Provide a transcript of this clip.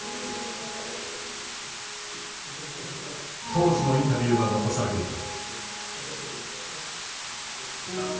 当時のインタビューが残されていた。